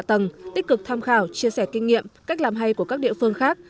tầng tích cực tham khảo chia sẻ kinh nghiệm cách làm hay của các địa phương khác